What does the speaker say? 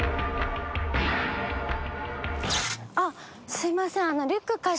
すいません。